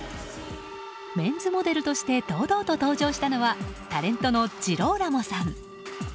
メンズモデルとして堂々と登場したのはタレントのジローラモさん。